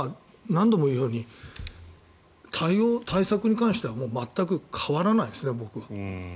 何度も言うように対策に関しては全く変わらないですね、僕は。